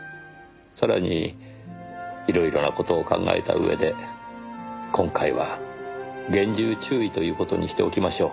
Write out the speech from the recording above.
さらに色々な事を考えた上で今回は厳重注意という事にしておきましょう。